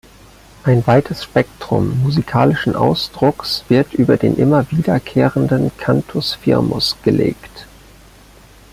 Ein weites Spektrum musikalischen Ausdrucks wird über den immer wiederkehrenden Cantus firmus gelegt.